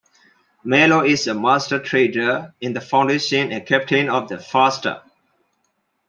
Mallow is a Master Trader in the Foundation and captain of the "Far Star".